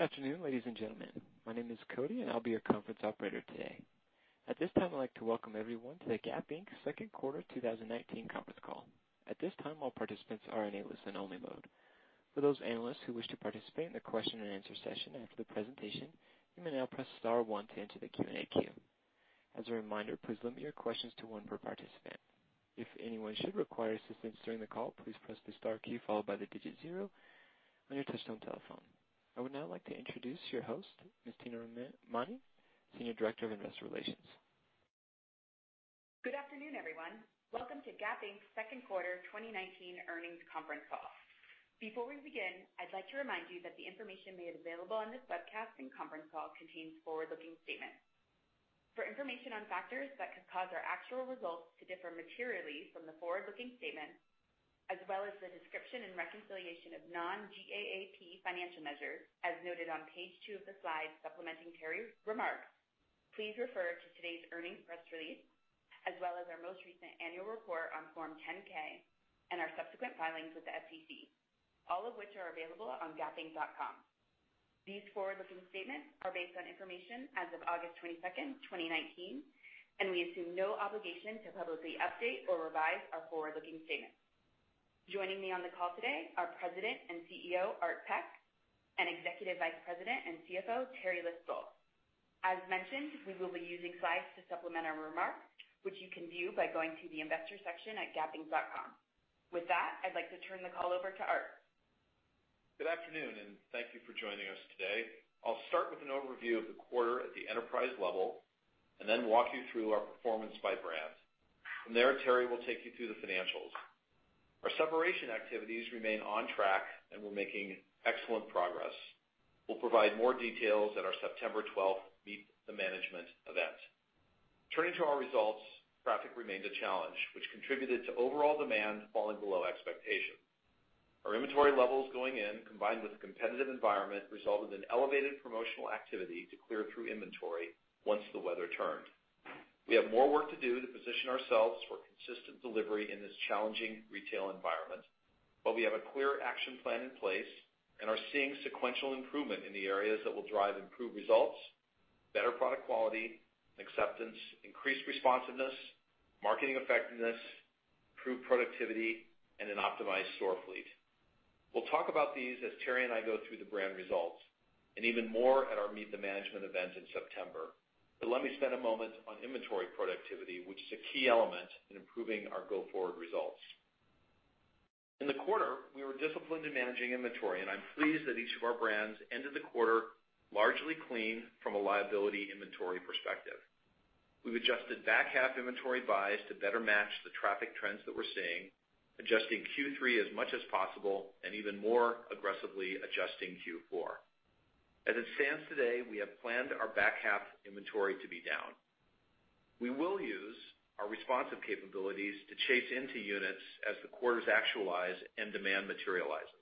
Afternoon, ladies and gentlemen. My name is Cody, and I'll be your conference operator today. At this time, I'd like to welcome everyone to the Gap Inc.'s Second Quarter 2019 Conference Call. At this time, all participants are in a listen-only mode. For those analysts who wish to participate in the question and answer session after the presentation, you may now press star one to enter the Q&A queue. As a reminder, please limit your questions to one per participant. If anyone should require assistance during the call, please press the star key followed by the digit zero on your touchtone telephone. I would now like to introduce your host, Ms. Tina Romani, Senior Director of Investor Relations. Good afternoon, everyone. Welcome to Gap Inc.'s Second Quarter 2019 Earnings Conference Call. Before we begin, I'd like to remind you that the information made available on this webcast and conference call contains forward-looking statements. For information on factors that could cause our actual results to differ materially from the forward-looking statements, as well as the description and reconciliation of non-GAAP financial measures, as noted on page two of the slides supplementing Teri's remarks, please refer to today's earnings press release, as well as our most recent annual report on Form 10-K and our subsequent filings with the SEC, all of which are available on gapinc.com. These forward-looking statements are based on information as of August 22nd, 2019, and we assume no obligation to publicly update or revise our forward-looking statements. Joining me on the call today are President and CEO, Art Peck, and Executive Vice President and CFO, Teri List-Stoll. As mentioned, we will be using slides to supplement our remarks, which you can view by going to the investor section at gapinc.com. With that, I'd like to turn the call over to Art. Good afternoon. Thank you for joining us today. I'll start with an overview of the quarter at the enterprise level, then walk you through our performance by brand. From there, Teri will take you through the financials. Our separation activities remain on track. We're making excellent progress. We'll provide more details at our September 12th Meet the Management event. Turning to our results, traffic remains a challenge, which contributed to overall demand falling below expectation. Our inventory levels going in, combined with the competitive environment, resulted in elevated promotional activity to clear through inventory once the weather turned. We have more work to do to position ourselves for consistent delivery in this challenging retail environment, but we have a clear action plan in place and are seeing sequential improvement in the areas that will drive improved results, better product quality and acceptance, increased responsiveness, marketing effectiveness, improved productivity, and an optimized store fleet. We'll talk about these as Teri and I go through the brand results, and even more at our Meet the Management Event in September. Let me spend a moment on inventory productivity, which is a key element in improving our go-forward results. In the quarter, we were disciplined in managing inventory, and I'm pleased that each of our brands ended the quarter largely clean from a liability inventory perspective. We've adjusted back half inventory buys to better match the traffic trends that we're seeing, adjusting Q3 as much as possible and even more aggressively adjusting Q4. As it stands today, we have planned our back half inventory to be down. We will use our responsive capabilities to chase into units as the quarters actualize and demand materializes.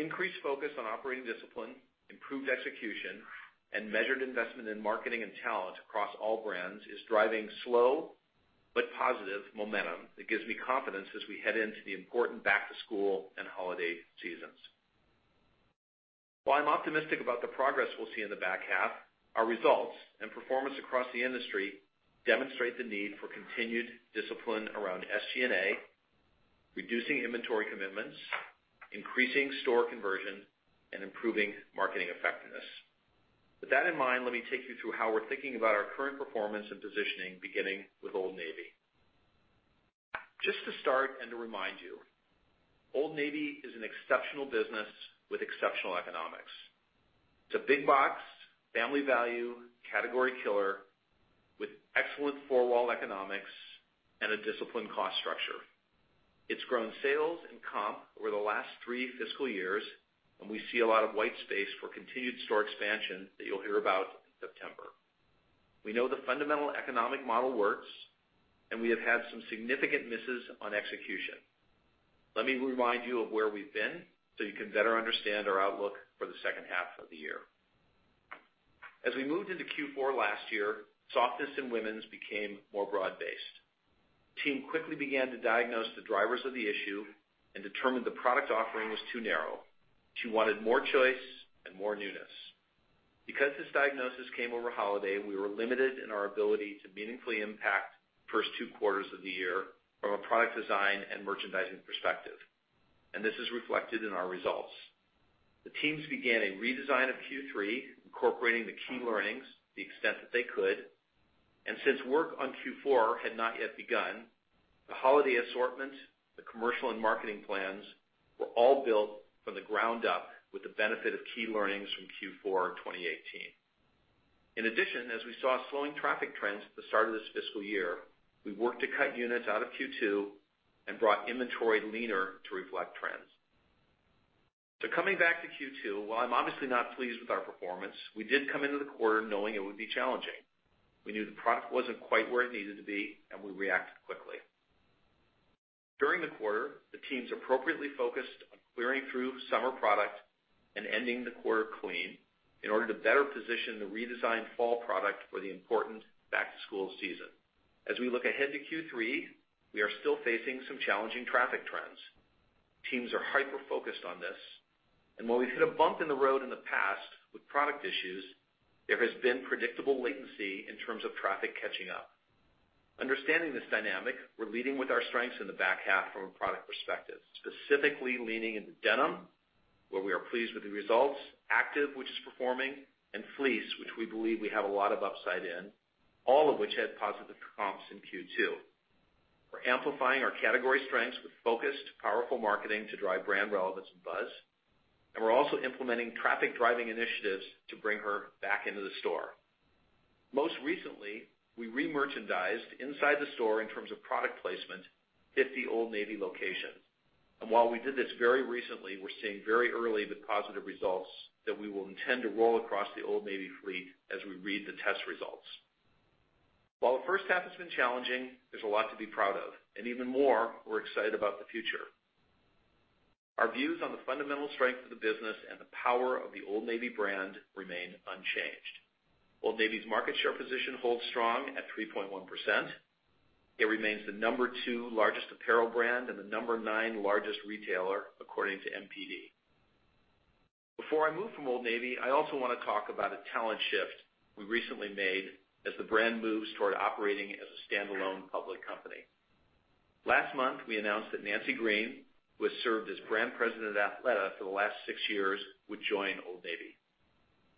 Increased focus on operating discipline, improved execution, and measured investment in marketing and talent across all brands is driving slow but positive momentum that gives me confidence as we head into the important back to school and holiday seasons. While I'm optimistic about the progress we'll see in the back half, our results and performance across the industry demonstrate the need for continued discipline around SG&A, reducing inventory commitments, increasing store conversion, and improving marketing effectiveness. With that in mind, let me take you through how we're thinking about our current performance and positioning, beginning with Old Navy. Just to start and to remind you, Old Navy is an exceptional business with exceptional economics. It's a big box, family value, category killer with excellent four-wall economics and a disciplined cost structure. It's grown sales and comp over the last three fiscal years, and we see a lot of white space for continued store expansion that you'll hear about in September. We know the fundamental economic model works, and we have had some significant misses on execution. Let me remind you of where we've been so you can better understand our outlook for the second half of the year. As we moved into Q4 last year, softness in women's became more broad-based. The team quickly began to diagnose the drivers of the issue and determined the product offering was too narrow. She wanted more choice and more newness. Because this diagnosis came over Holiday, we were limited in our ability to meaningfully impact the first two quarters of the year from a product design and merchandising perspective, and this is reflected in our results. The teams began a redesign of Q3, incorporating the key learnings to the extent that they could. Since work on Q4 had not yet begun, the Holiday assortment, the commercial and marketing plans were all built from the ground up with the benefit of key learnings from Q4 2018. In addition, as we saw slowing traffic trends at the start of this fiscal year, we worked to cut units out of Q2 and brought inventory leaner to reflect trends. Coming back to Q2, while I'm obviously not pleased with our performance, we did come into the quarter knowing it would be challenging. We knew the product wasn't quite where it needed to be, and we reacted quickly. During the quarter, the teams appropriately focused on clearing through summer product and ending the quarter clean in order to better position the redesigned fall product for the important back-to-school season. As we look ahead to Q3, we are still facing some challenging traffic trends. Teams are hyper-focused on this, and while we've hit a bump in the road in the past with product issues, there has been predictable latency in terms of traffic catching up. Understanding this dynamic, we're leading with our strengths in the back half from a product perspective, specifically leaning into denim, where we are pleased with the results. Active, which is performing, and fleece, which we believe we have a lot of upside in, all of which had positive comps in Q2. We're amplifying our category strengths with focused, powerful marketing to drive brand relevance and buzz. We're also implementing traffic-driving initiatives to bring her back into the store. Most recently, we re-merchandised inside the store in terms of product placement, 50 Old Navy locations. While we did this very recently, we're seeing very early the positive results that we will intend to roll across the Old Navy fleet as we read the test results. While the first half has been challenging, there's a lot to be proud of, and even more, we're excited about the future. Our views on the fundamental strength of the business and the power of the Old Navy brand remain unchanged. Old Navy's market share position holds strong at 3.1%. It remains the number 2 largest apparel brand and the number 9 largest retailer, according to NPD. Before I move from Old Navy, I also want to talk about a talent shift we recently made as the brand moves toward operating as a standalone public company. Last month, we announced that Nancy Green, who has served as Brand President of Athleta for the last six years, would join Old Navy.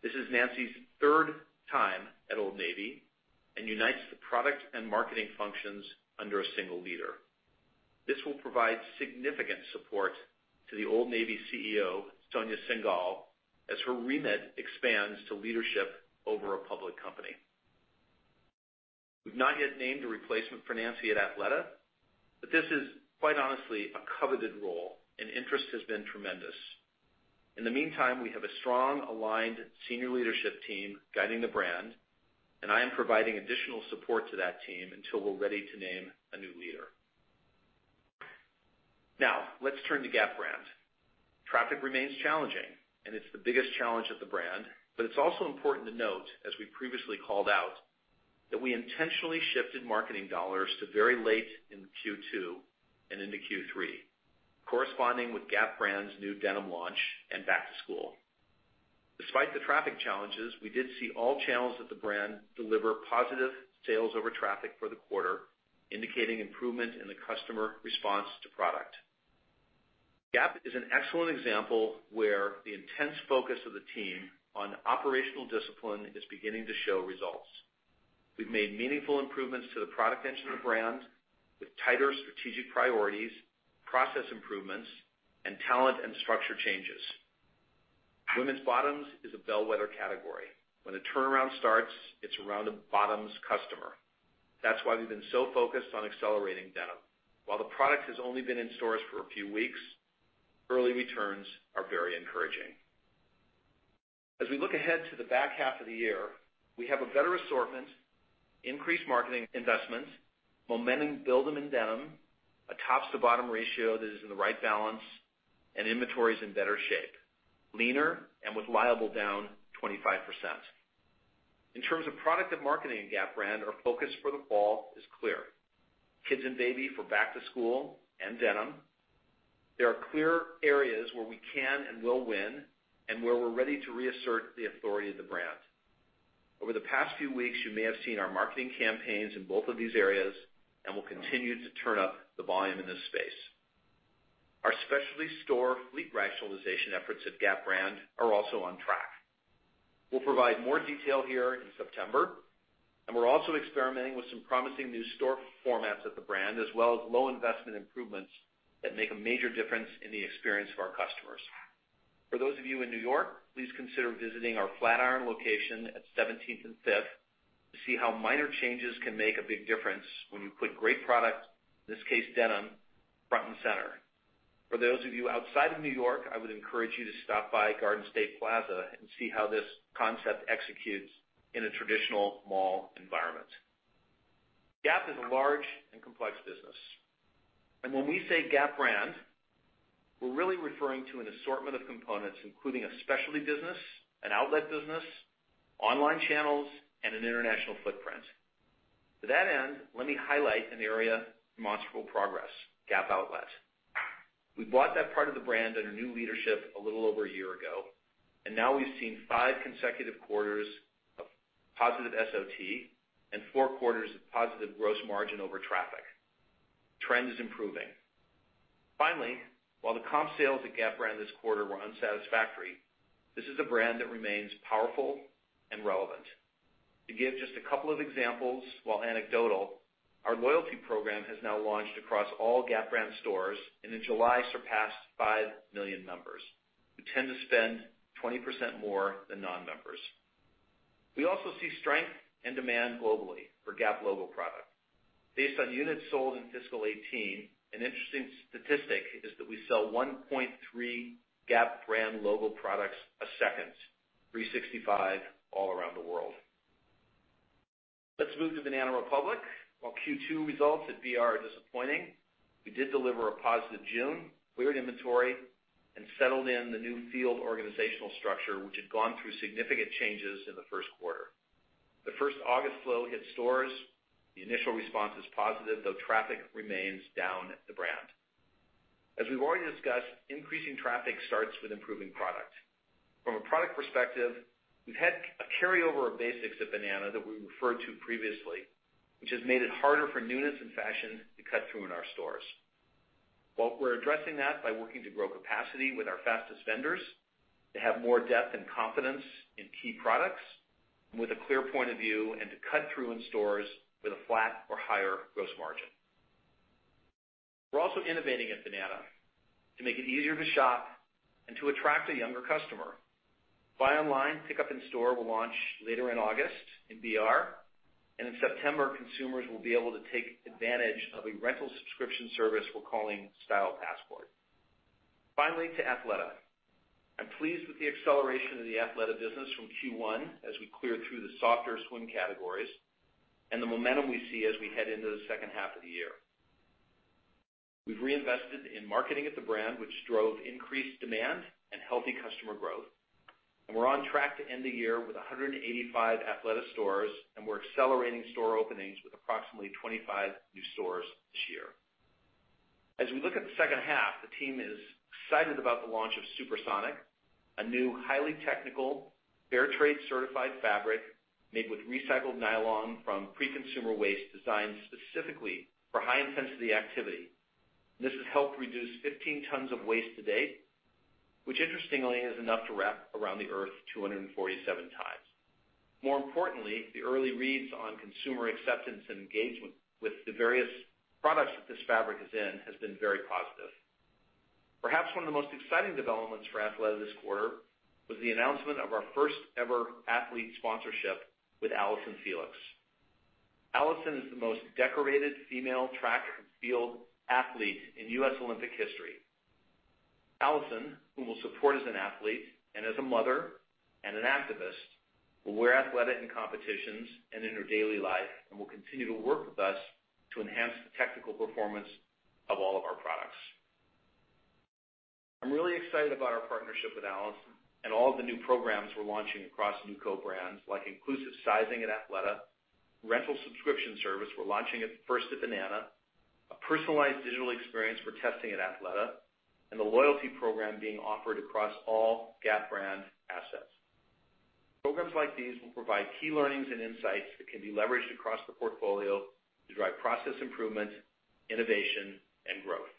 This is Nancy's third time at Old Navy and unites the product and marketing functions under a single leader. This will provide significant support to the Old Navy CEO, Sonia Syngal, as her remit expands to leadership over a public company. We've not yet named a replacement for Nancy at Athleta, but this is quite honestly a coveted role, and interest has been tremendous. In the meantime, we have a strong, aligned senior leadership team guiding the brand, and I am providing additional support to that team until we're ready to name a new leader. Now, let's turn to Gap brand. Traffic remains challenging, and it's the biggest challenge of the brand, but it's also important to note, as we previously called out, that we intentionally shifted marketing dollars to very late in Q2 and into Q3, corresponding with Gap brand's new denim launch and back to school. Despite the traffic challenges, we did see all channels of the brand deliver positive sales over traffic for the quarter, indicating improvement in the customer response to product. Gap is an excellent example where the intense focus of the team on operational discipline is beginning to show results. We've made meaningful improvements to the product engine of the brand with tighter strategic priorities, process improvements, and talent and structure changes. Women's bottoms is a bellwether category. When the turnaround starts, it's around the bottoms customer. That's why we've been so focused on accelerating denim. While the product has only been in stores for a few weeks, early returns are very encouraging. As we look ahead to the back half of the year, we have a better assortment, increased marketing investments, momentum building in denim, a tops to bottom ratio that is in the right balance, and inventory's in better shape, leaner and with liable down 25%. In terms of product and marketing at Gap brand, our focus for the fall is clear. Kids and baby for back to school and denim. There are clear areas where we can and will win and where we're ready to reassert the authority of the brand. Over the past few weeks, you may have seen our marketing campaigns in both of these areas, and we'll continue to turn up the volume in this space. Our specialty store fleet rationalization efforts at Gap brand are also on track. We'll provide more detail here in September, and we're also experimenting with some promising new store formats at the brand, as well as low investment improvements that make a major difference in the experience for our customers. For those of you in New York, please consider visiting our Flatiron location at 17th and 5th to see how minor changes can make a big difference when you put great product, in this case, denim, front and center. For those of you outside of New York, I would encourage you to stop by Garden State Plaza and see how this concept executes in a traditional mall environment. Gap is a large and complex business. When we say Gap brand, we're really referring to an assortment of components, including a specialty business, an Outlet business, online channels, and an international footprint. To that end, let me highlight an area of demonstrable progress, Gap Outlet. We bought that part of the brand under new leadership a little over a year ago, and now we've seen 5 consecutive quarters of positive SOT and 4 quarters of positive gross margin over traffic. Trend is improving. Finally, while the comp sales at Gap brand this quarter were unsatisfactory, this is a brand that remains powerful and relevant. To give just a couple of examples, while anecdotal, our loyalty program has now launched across all Gap brand stores, and in July surpassed 5 million members who tend to spend 20% more than non-members. We also see strength and demand globally for Gap logo product. Based on units sold in fiscal 2018, an interesting statistic is that we sell 1.3 Gap brand logo products a second, 365 all around the world. Let's move to Banana Republic. While Q2 results at BR are disappointing, we did deliver a positive June, cleared inventory, and settled in the new field organizational structure, which had gone through significant changes in the first quarter. The first August flow hit stores. The initial response is positive, though traffic remains down at the brand. As we've already discussed, increasing traffic starts with improving product. From a product perspective, we've had a carryover of basics at Banana that we referred to previously, which has made it harder for newness and fashion to cut through in our stores. While we're addressing that by working to grow capacity with our fastest vendors, to have more depth and confidence in key products, and with a clear point of view and to cut through in stores with a flat or higher gross margin. We're also innovating at Banana to make it easier to shop and to attract a younger customer. Buy online, pickup in store will launch later in August in BR. In September, consumers will be able to take advantage of a rental subscription service we're calling Style Passport. Finally, to Athleta. I'm pleased with the acceleration of the Athleta business from Q1 as we clear through the softer swim categories and the momentum we see as we head into the second half of the year. We've reinvested in marketing at the brand, which drove increased demand and healthy customer growth. We're on track to end the year with 185 Athleta stores, and we're accelerating store openings with approximately 25 new stores this year. As we look at the second half, the team is excited about the launch of SuperSonic, a new highly technical, fair trade certified fabric made with recycled nylon from pre-consumer waste, designed specifically for high-intensity activity. This has helped reduce 15 tons of waste to date, which interestingly is enough to wrap around the Earth 247 times. More importantly, the early reads on consumer acceptance and engagement with the various products that this fabric is in has been very positive. Perhaps one of the most exciting developments for Athleta this quarter was the announcement of our first ever athlete sponsorship with Allyson Felix. Allyson is the most decorated female track and field athlete in U.S. Olympic history. Allyson, whom we'll support as an athlete and as a mother and an activist, will wear Athleta in competitions and in her daily life, and will continue to work with us to enhance the technical performance of all of our products. I'm really excited about our partnership with Allyson and all of the new programs we're launching across new co-brands, like inclusive sizing at Athleta, rental subscription service we're launching at first at Banana, a personalized digital experience we're testing at Athleta, and the loyalty program being offered across all Gap brand assets. Programs like these will provide key learnings and insights that can be leveraged across the portfolio to drive process improvement, innovation, and growth.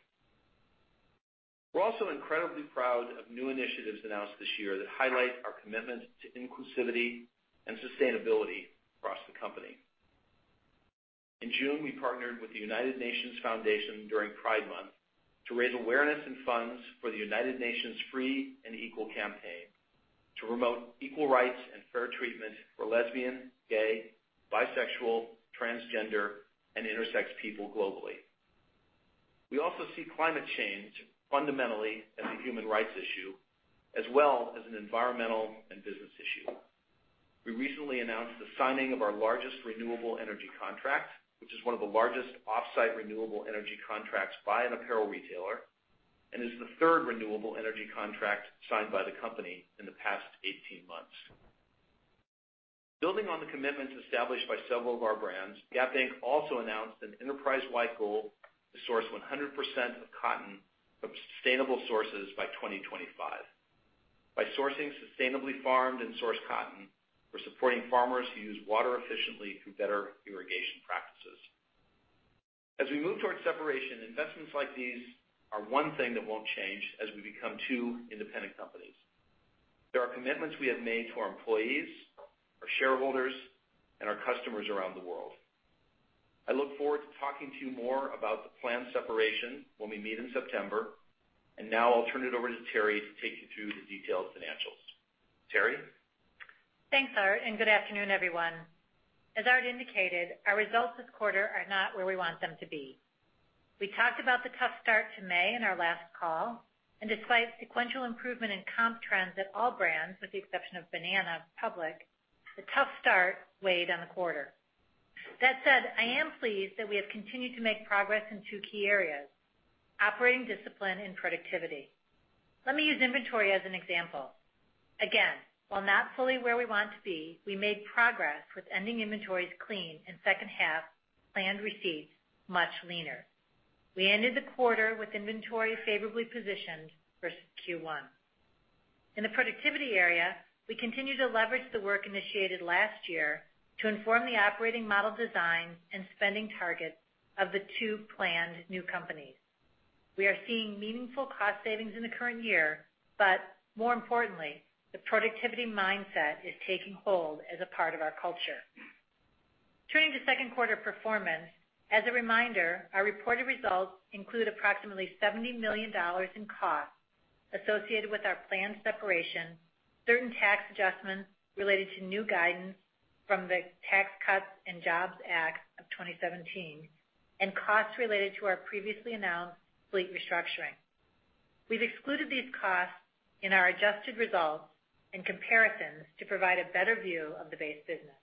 We're also incredibly proud of new initiatives announced this year that highlight our commitment to inclusivity and sustainability across the company. In June, we partnered with the United Nations Foundation during Pride Month to raise awareness and funds for the United Nations Free and Equal campaign, to promote equal rights and fair treatment for lesbian, gay, bisexual, transgender, and intersex people globally. We also see climate change fundamentally as a human rights issue, as well as an environmental and business issue. We recently announced the signing of our largest renewable energy contract, which is one of the largest off-site renewable energy contracts by an apparel retailer and is the third renewable energy contract signed by the company in the past 18 months. Building on the commitments established by several of our brands, Gap Inc. also announced an enterprise-wide goal to source 100% of cotton from sustainable sources by 2025. By sourcing sustainably farmed and sourced cotton, we're supporting farmers who use water efficiently through better irrigation practices. As we move towards separation, investments like these are one thing that won't change as we become two independent companies. There are commitments we have made to our employees, our shareholders, and our customers around the world. I look forward to talking to you more about the planned separation when we meet in September. Now I'll turn it over to Teri to take you through the detailed financials. Teri? Thanks, Art. Good afternoon, everyone. As Art indicated, our results this quarter are not where we want them to be. We talked about the tough start to May in our last call. Despite sequential improvement in comp trends at all brands, with the exception of Banana Republic, the tough start weighed on the quarter. That said, I am pleased that we have continued to make progress in two key areas, operating discipline and productivity. Let me use inventory as an example. Again, while not fully where we want to be, we made progress with ending inventories clean and second half planned receipts much leaner. We ended the quarter with inventory favorably positioned versus Q1. In the productivity area, we continue to leverage the work initiated last year to inform the operating model design and spending targets of the two planned new companies. We are seeing meaningful cost savings in the current year, more importantly, the productivity mindset is taking hold as a part of our culture. Turning to second quarter performance, as a reminder, our reported results include approximately $70 million in costs associated with our planned separation, certain tax adjustments related to new guidance from the Tax Cuts and Jobs Act of 2017, and costs related to our previously announced fleet restructuring. We've excluded these costs in our adjusted results and comparisons to provide a better view of the base business.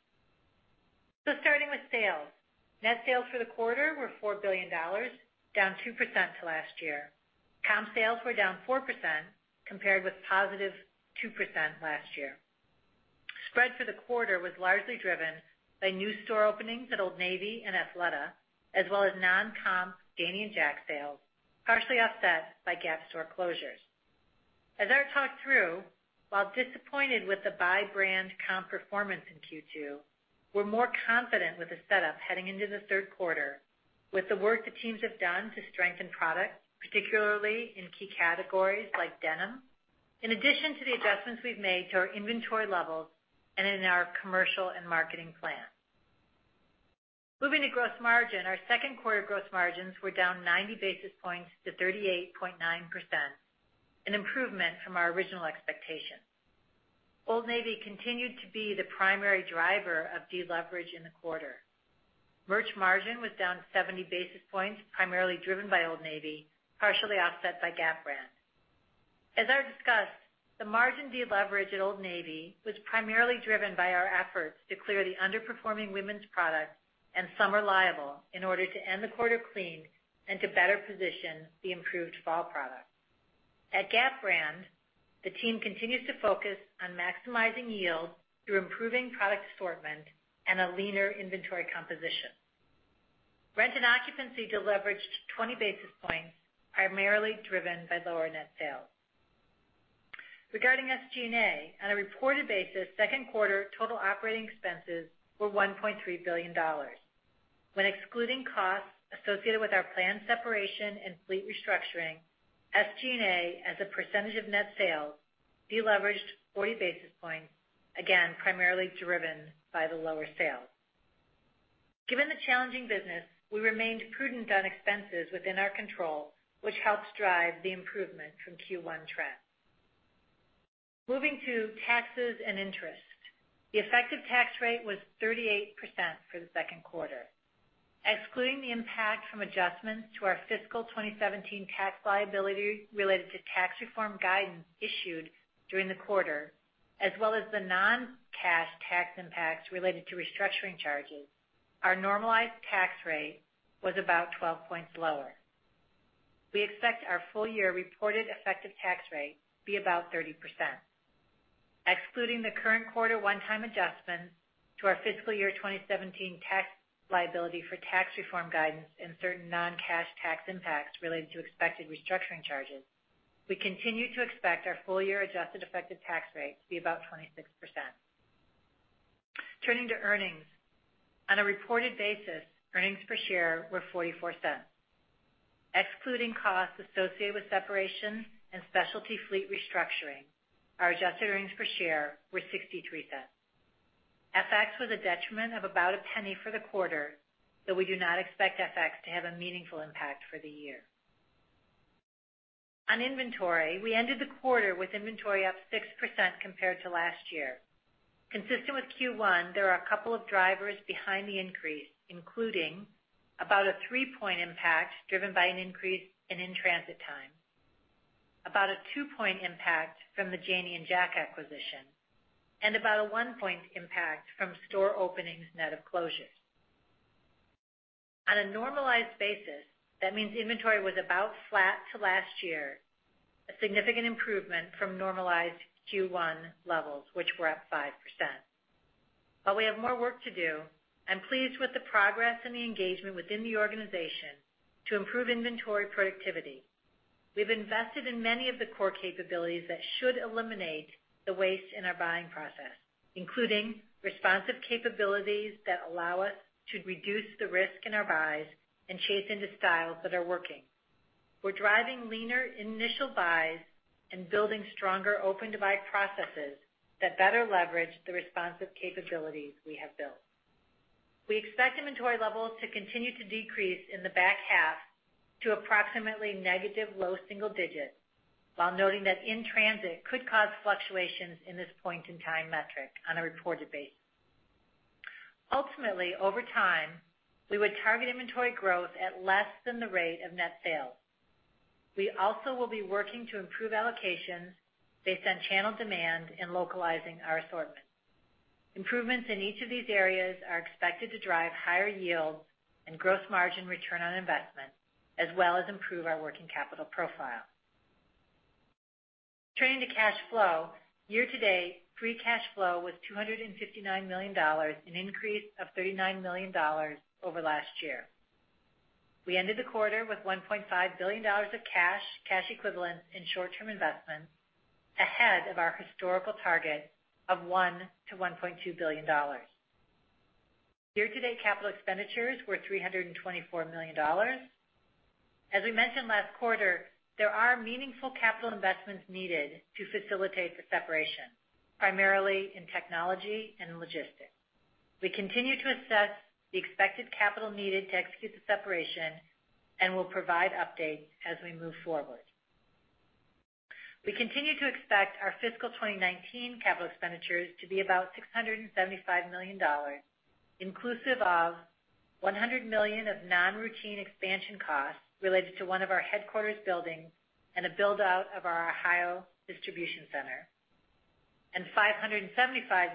Starting with sales. Net sales for the quarter were $4 billion, down 2% to last year. Comp sales were down 4%, compared with positive 2% last year. Spread for the quarter was largely driven by new store openings at Old Navy and Athleta, as well as non-comp Janie and Jack sales, partially offset by Gap store closures. As I talk through, while disappointed with the Gap brand comp performance in Q2, we're more confident with the setup heading into the third quarter with the work the teams have done to strengthen product, particularly in key categories like denim, in addition to the adjustments we've made to our inventory levels and in our commercial and marketing plan. Moving to gross margin, our second quarter gross margins were down 90 basis points to 38.9%, an improvement from our original expectations. Old Navy continued to be the primary driver of deleverage in the quarter. Merch margin was down 70 basis points, primarily driven by Old Navy, partially offset by Gap brand. As I discussed, the margin deleverage at Old Navy was primarily driven by our efforts to clear the underperforming women's product and summer line in order to end the quarter clean and to better position the improved fall product. At Gap brand, the team continues to focus on maximizing yield through improving product assortment and a leaner inventory composition. Rent and occupancy deleveraged 20 basis points, primarily driven by lower net sales. Regarding SG&A, on a reported basis, second quarter total operating expenses were $1.3 billion. When excluding costs associated with our planned separation and fleet restructuring, SG&A as a percentage of net sales deleveraged 40 basis points, again, primarily driven by the lower sales. Given the challenging business, we remained prudent on expenses within our control, which helps drive the improvement from Q1 trends. Moving to taxes and interest. The effective tax rate was 38% for the second quarter. Excluding the impact from adjustments to our fiscal 2017 tax liability related to tax reform guidance issued during the quarter, as well as the non-cash tax impacts related to restructuring charges, our normalized tax rate was about 12 points lower. We expect our full year reported effective tax rate to be about 30%. Excluding the current quarter one-time adjustments to our fiscal year 2017 tax liability for tax reform guidance and certain non-cash tax impacts related to expected restructuring charges, we continue to expect our full year adjusted effective tax rate to be about 26%. Turning to earnings. On a reported basis, earnings per share were $0.44. Excluding costs associated with separation and specialty fleet restructuring, our adjusted earnings per share were $0.63. FX was a detriment of about $0.01 for the quarter, though we do not expect FX to have a meaningful impact for the year. On inventory, we ended the quarter with inventory up 6% compared to last year. Consistent with Q1, there are a couple of drivers behind the increase, including about a three-point impact driven by an increase in in-transit time, about a two-point impact from the Janie and Jack acquisition, and about a one-point impact from store openings net of closures. On a normalized basis, that means inventory was about flat to last year, a significant improvement from normalized Q1 levels, which were up 5%. While we have more work to do, I'm pleased with the progress and the engagement within the organization to improve inventory productivity. We've invested in many of the core capabilities that should eliminate the waste in our buying process, including responsive capabilities that allow us to reduce the risk in our buys and chase into styles that are working. We're driving leaner initial buys and building stronger open-to-buy processes that better leverage the responsive capabilities we have built. We expect inventory levels to continue to decrease in the back half to approximately negative low single digits, while noting that in-transit could cause fluctuations in this point in time metric on a reported basis. Over time, we would target inventory growth at less than the rate of net sales. We also will be working to improve allocations based on channel demand and localizing our assortment. Improvements in each of these areas are expected to drive higher yield and gross margin return on investment, as well as improve our working capital profile. Turning to cash flow. Year to date, free cash flow was $259 million, an increase of $39 million over last year. We ended the quarter with $1.5 billion of cash equivalents, and short-term investments, ahead of our historical target of $1 billion to $1.2 billion. Year-to-date capital expenditures were $324 million. As we mentioned last quarter, there are meaningful capital investments needed to facilitate the separation, primarily in technology and logistics. We continue to assess the expected capital needed to execute the separation and will provide updates as we move forward. We continue to expect our fiscal 2019 capital expenditures to be about $675 million, inclusive of $100 million of non-routine expansion costs related to one of our headquarters buildings and a build-out of our Ohio distribution center, and $575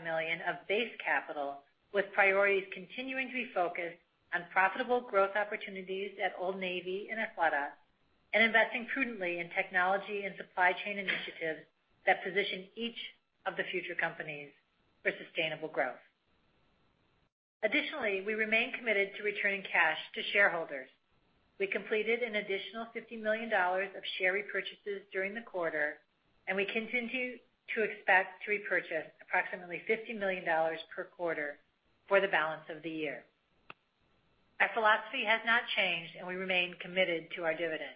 million of base capital, with priorities continuing to be focused on profitable growth opportunities at Old Navy and Athleta and investing prudently in technology and supply chain initiatives that position each of the future companies for sustainable growth. Additionally, we remain committed to returning cash to shareholders. We completed an additional $50 million of share repurchases during the quarter, and we continue to expect to repurchase approximately $50 million per quarter for the balance of the year. Our philosophy has not changed, and we remain committed to our dividend.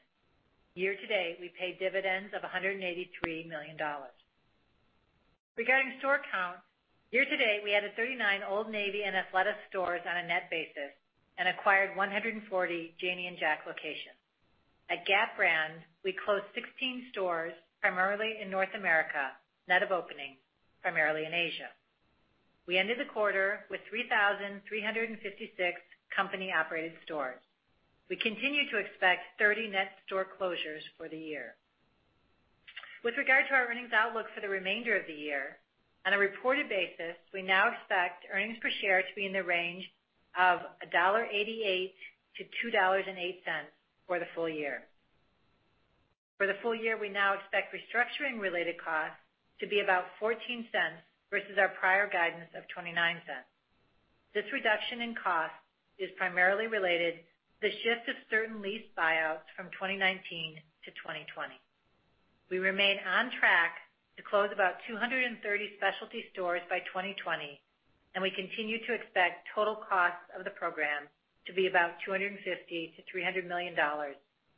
Year to date, we paid dividends of $183 million. Regarding store count, year to date, we added 39 Old Navy and Athleta stores on a net basis and acquired 140 Janie and Jack locations. At Gap brand, we closed 16 stores, primarily in North America, net of openings, primarily in Asia. We ended the quarter with 3,356 company-operated stores. We continue to expect 30 net store closures for the year. With regard to our earnings outlook for the remainder of the year, on a reported basis, we now expect earnings per share to be in the range of $1.88 to $2.08 for the full year. For the full year, we now expect restructuring-related costs to be about $0.14 versus our prior guidance of $0.29. This reduction in cost is primarily related to the shift of certain lease buyouts from 2019 to 2020. We remain on track to close about 230 specialty stores by 2020, and we continue to expect total costs of the program to be about $250 million to $300 million,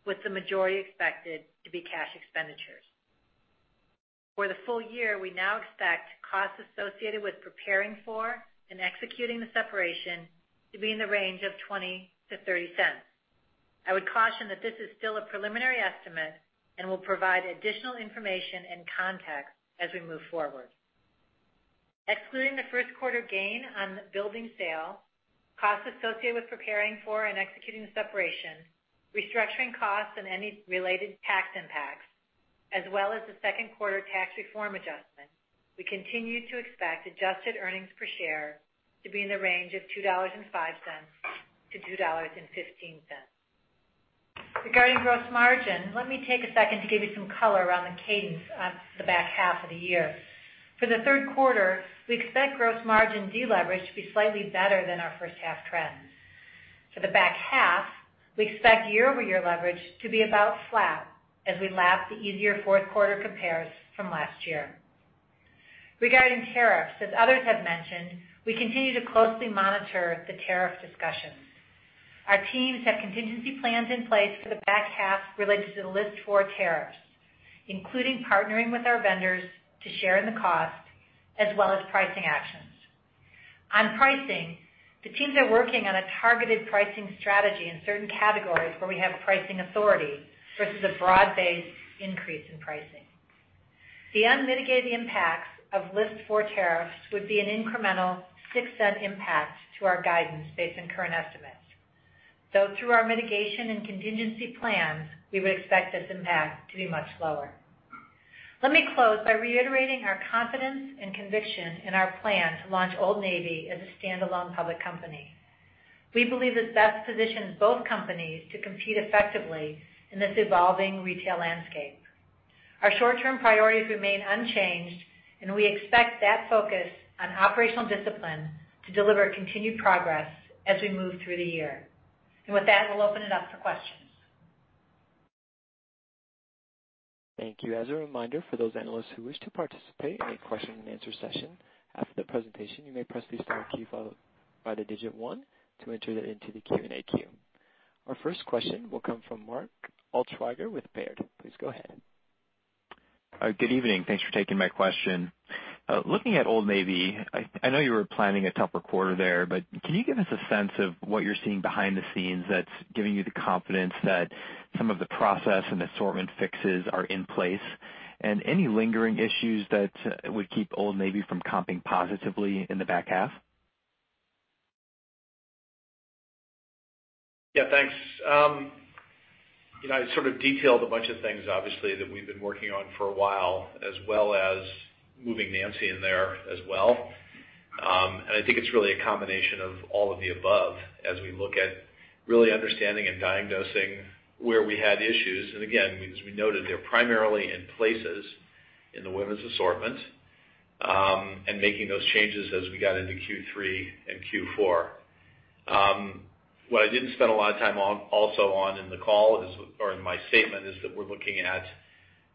with the majority expected to be cash expenditures. For the full year, we now expect costs associated with preparing for and executing the separation to be in the range of $0.20-$0.30. I would caution that this is still a preliminary estimate and will provide additional information and context as we move forward. Excluding the first quarter gain on building sale, costs associated with preparing for and executing the separation, restructuring costs, and any related tax impacts, as well as the second quarter tax reform adjustment, we continue to expect adjusted earnings per share to be in the range of $2.05 to $2.15. Regarding gross margin, let me take a second to give you some color around the cadence on the back half of the year. For the third quarter, we expect gross margin deleverage to be slightly better than our first half trends. For the back half, we expect year-over-year leverage to be about flat as we lap the easier fourth quarter compares from last year. Regarding tariffs, as others have mentioned, we continue to closely monitor the tariff discussions. Our teams have contingency plans in place for the back half related to the List 4 tariffs, including partnering with our vendors to share in the cost, as well as pricing actions. On pricing, the teams are working on a targeted pricing strategy in certain categories where we have pricing authority versus a broad-based increase in pricing. The unmitigated impacts of List 4 tariffs would be an incremental $0.06 impact to our guidance based on current estimates. Through our mitigation and contingency plans, we would expect this impact to be much lower. Let me close by reiterating our confidence and conviction in our plan to launch Old Navy as a standalone public company. We believe this best positions both companies to compete effectively in this evolving retail landscape. Our short-term priorities remain unchanged, and we expect that focus on operational discipline to deliver continued progress as we move through the year. With that, we'll open it up for questions. Thank you. As a reminder, for those analysts who wish to participate in a question and answer session after the presentation, you may press the star key followed by the digit 1 to enter into the Q&A queue. Our first question will come from Mark Altschwager with Baird. Please go ahead. Good evening. Thanks for taking my question. Looking at Old Navy, I know you were planning a tougher quarter there, can you give us a sense of what you're seeing behind the scenes that's giving you the confidence that some of the process and assortment fixes are in place, and any lingering issues that would keep Old Navy from comping positively in the back half? Yeah, thanks. I sort of detailed a bunch of things, obviously, that we've been working on for a while, as well as moving Nancy in there as well. I think it's really a combination of all of the above as we look at really understanding and diagnosing where we had issues. Again, as we noted, they're primarily in places in the women's assortment, and making those changes as we got into Q3 and Q4. What I didn't spend a lot of time also on in the call is, or in my statement, is that we're looking at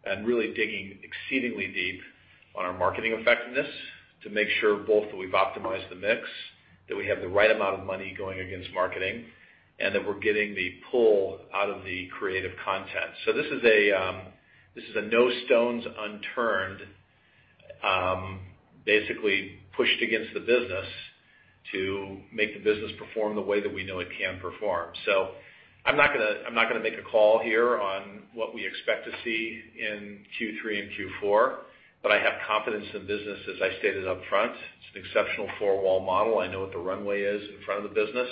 and really digging exceedingly deep on our marketing effectiveness to make sure both that we've optimized the mix, that we have the right amount of money going against marketing, and that we're getting the pull out of the creative content. Basically pushed against the business to make the business perform the way that we know it can perform. I'm not going to make a call here on what we expect to see in Q3 and Q4, but I have confidence in the business, as I stated up front. It's an exceptional four-wall model. I know what the runway is in front of the business,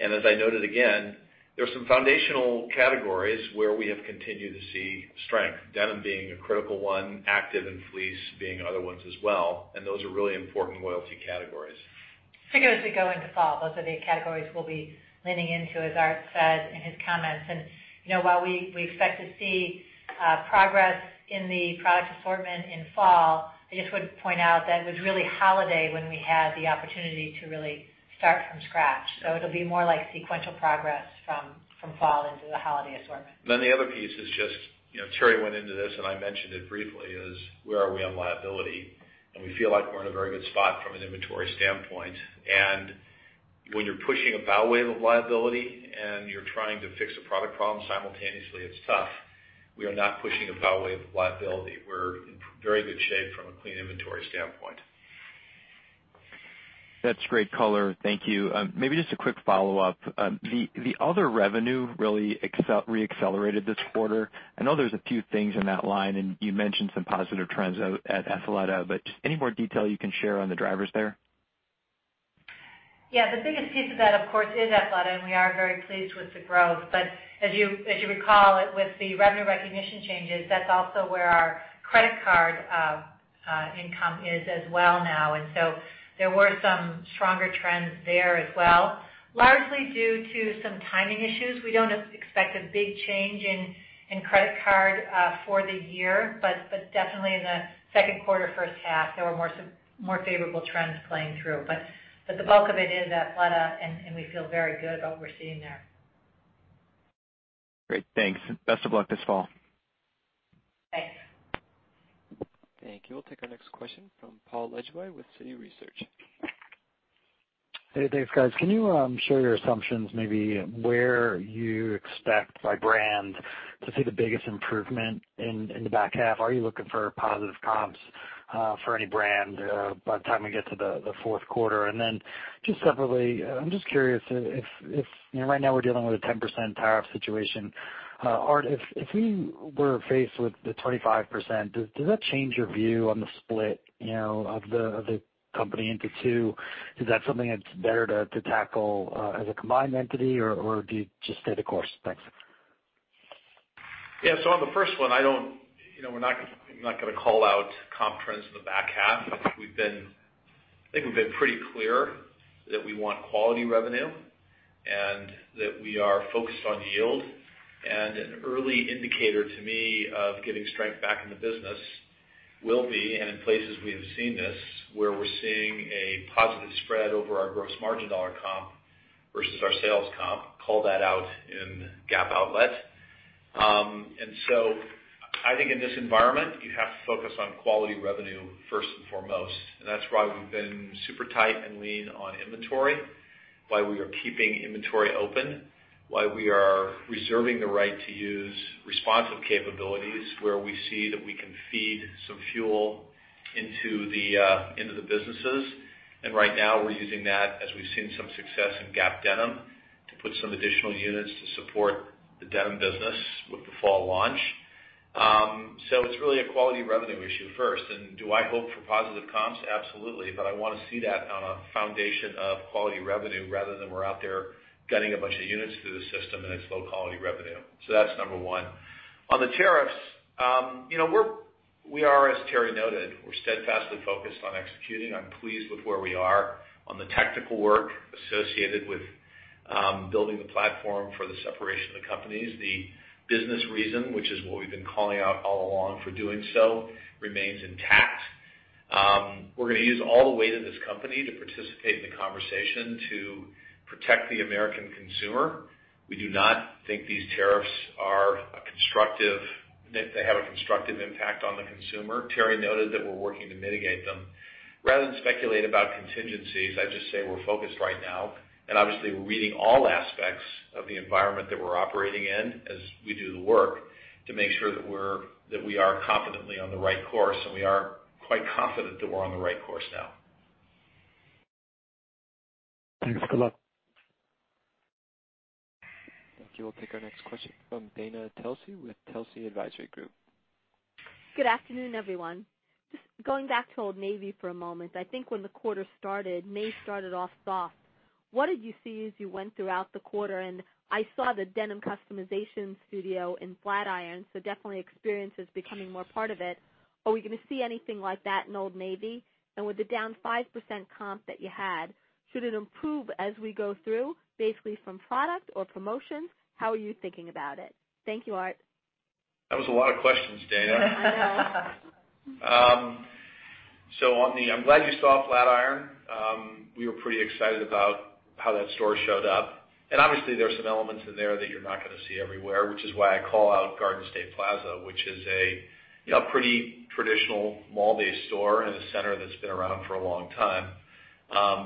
and as I noted again, there are some foundational categories where we have continued to see strength. Denim being a critical one, active and fleece being other ones as well, and those are really important loyalty categories. Particularly as we go into fall, those are the categories we'll be leaning into, as Art said in his comments. While we expect to see progress in the product assortment in fall, I just would point out that it was really holiday when we had the opportunity to really start from scratch. It'll be more like sequential progress from fall into the holiday assortment. The other piece is just, Teri went into this and I mentioned it briefly, is where are we on liability? We feel like we're in a very good spot from an inventory standpoint. When you're pushing a bow wave of liability and you're trying to fix a product problem simultaneously, it's tough. We are not pushing a bow wave of liability. We're in very good shape from a clean inventory standpoint. That's great color. Thank you. Maybe just a quick follow-up. The other revenue really re-accelerated this quarter. I know there's a few things in that line, and you mentioned some positive trends at Athleta, but just any more detail you can share on the drivers there? Yeah. The biggest piece of that, of course, is Athleta, and we are very pleased with the growth. As you recall, with the revenue recognition changes, that's also where our credit card income is as well now. There were some stronger trends there as well, largely due to some timing issues. We don't expect a big change in credit card for the year, but definitely in the second quarter, first half, there were more favorable trends playing through. The bulk of it is Athleta, and we feel very good about what we're seeing there. Great. Thanks. Best of luck this fall. Thanks. Thank you. We'll take our next question from Paul Lejuez with Citi Research. Hey, thanks, guys. Can you share your assumptions, maybe where you expect by brand to see the biggest improvement in the back half? Are you looking for positive comps for any brand by the time we get to the fourth quarter? Just separately, I'm just curious right now we're dealing with a 10% tariff situation. Art, if we were faced with the 25%, does that change your view on the split of the company into two? Is that something that's better to tackle as a combined entity, or do you just stay the course? Thanks. Yeah. On the first one, I'm not going to call out comp trends in the back half. I think we've been pretty clear that we want quality revenue and that we are focused on yield. An early indicator to me of getting strength back in the business will be, and in places we have seen this, where we're seeing a positive spread over our gross margin dollar comp versus our sales comp, call that out in Gap Outlet. I think in this environment, you have to focus on quality revenue first and foremost, and that's why we've been super tight and lean on inventory, why we are keeping inventory open, why we are reserving the right to use responsive capabilities where we see that we can feed some fuel into the businesses. Right now we're using that as we've seen some success in Gap Denim to put some additional units to support the Denim business with the fall launch. It's really a quality revenue issue first. Do I hope for positive comps? Absolutely. I want to see that on a foundation of quality revenue rather than we're out there getting a bunch of units through the system and it's low-quality revenue. That's number one. On the tariffs, we are, as Teri noted, we're steadfastly focused on executing. I'm pleased with where we are on the technical work associated with building the platform for the separation of the companies. The business reason, which is what we've been calling out all along for doing so, remains intact. We're going to use all the weight of this company to participate in the conversation to protect the American consumer. We do not think these tariffs have a constructive impact on the consumer. Teri noted that we're working to mitigate them. Rather than speculate about contingencies, I'd just say we're focused right now, and obviously we're reading all aspects of the environment that we're operating in as we do the work to make sure that we are confidently on the right course, and we are quite confident that we're on the right course now. Thanks. Good luck. Thank you. We'll take our next question from Dana Telsey with Telsey Advisory Group. Good afternoon, everyone. Just going back to Old Navy for a moment. I think when the quarter started, May started off soft. What did you see as you went throughout the quarter? I saw the denim customization studio in Flatiron. Definitely experience is becoming more part of it. Are we going to see anything like that in Old Navy? With the down 5% comp that you had, should it improve as we go through, basically from product or promotions? How are you thinking about it? Thank you, Art. That was a lot of questions, Dana. I know. I'm glad you saw Flatiron. We were pretty excited about how that store showed up. Obviously there are some elements in there that you're not going to see everywhere, which is why I call out Garden State Plaza, which is a pretty traditional mall-based store in a center that's been around for a long time.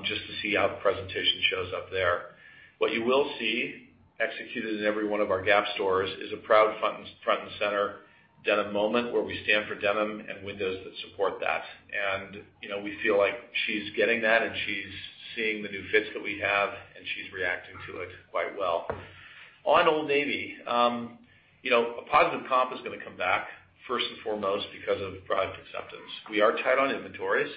Just to see how the presentation shows up there. What you will see executed in every one of our Gap stores is a proud front and center denim moment where we stand for denim and windows that support that. We feel like she's getting that, and she's seeing the new fits that we have, and she's reacting to it quite well. On Old Navy, a positive comp is going to come back first and foremost because of product acceptance. We are tight on inventories,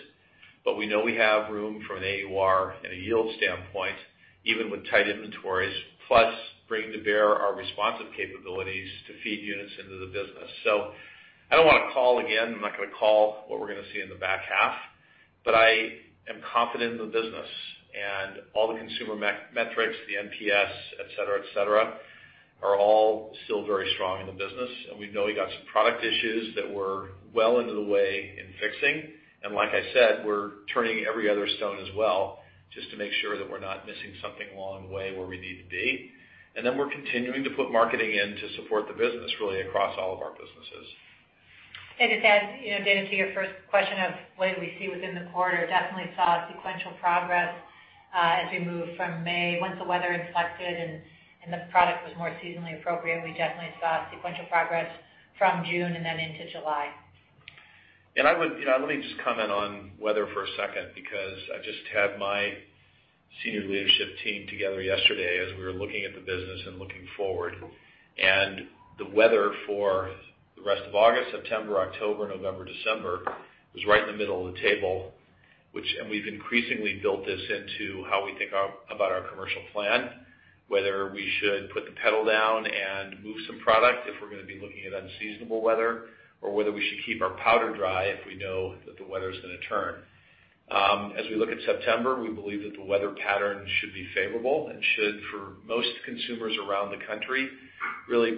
but we know we have room from an AUR and a yield standpoint, even with tight inventories, plus bring to bear our responsive capabilities to feed units into the business. I don't want to call again, I'm not going to call what we're going to see in the back half, but I am confident in the business and all the consumer metrics, the NPS et cetera, are all still very strong in the business. We know we got some product issues that we're well into the way in fixing. Like I said, we're turning every other stone as well just to make sure that we're not missing something along the way where we need to be. Then we're continuing to put marketing in to support the business, really across all of our businesses. To add, Dana, to your first question of whether we see within the quarter, definitely saw sequential progress as we moved from May once the weather inflected and the product was more seasonally appropriate. We definitely saw sequential progress from June and then into July. Let me just comment on weather for a second, because I just had my senior leadership team together yesterday as we were looking at the business and looking forward. The weather for the rest of August, September, October, November, December was right in the middle of the table. We've increasingly built this into how we think about our commercial plan, whether we should put the pedal down and move some product if we're going to be looking at unseasonable weather or whether we should keep our powder dry if we know that the weather's going to turn. As we look at September, we believe that the weather pattern should be favorable and should, for most consumers around the country, really